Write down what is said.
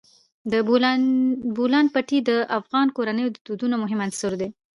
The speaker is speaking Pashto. د بولان پټي د افغان کورنیو د دودونو مهم عنصر دی.